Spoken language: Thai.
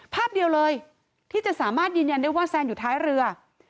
ภาพเดียวเลยที่จะสามารถยืนยันได้ว่าแซนอยู่ท้ายเรือ